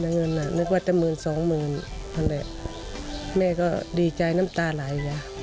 นึกว่าจะหมื่นสองหมื่นแม่ก็ดีใจน้ำตาหลาย